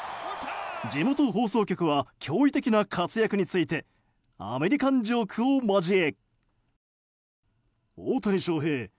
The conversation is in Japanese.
地元放送局は驚異的な活躍についてアメリカンジョークを交え。